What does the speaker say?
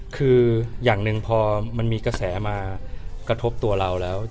คืออย่างหนึ่งพอมันมีกระแสมากระทบตัวเราแล้ว